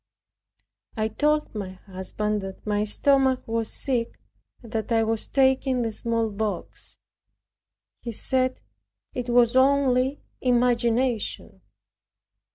I told my husband that my stomach was sick, and that I was taking the smallpox. He said it was only imagination.